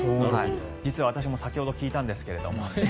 実は私も先ほど聞いたんですが。